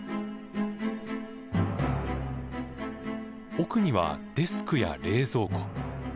奥にはデスクや冷蔵庫。